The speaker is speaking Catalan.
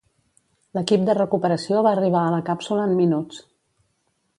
L'equip de recuperació va arribar a la càpsula en minuts.